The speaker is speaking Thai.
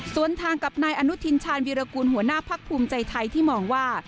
ส่วนทางกับนายอนุทินชาญวิรากูลหัวหน้าพักภูมิใจไทยที่มองว่า